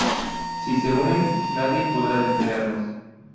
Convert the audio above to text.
Si se unen nadie podrá detenerlos.